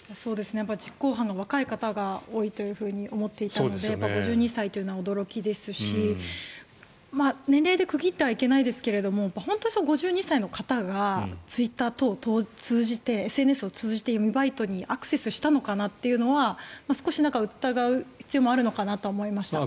実行犯が若い人が多いというふうに思っていたので５２歳というのは驚きですし年齢で区切ってはいけないですけれども本当に５２歳の方がツイッター等を通じてＳＮＳを通じて闇バイトにアクセスしたのかなというのは少し疑う必要もあるのかなと思いました。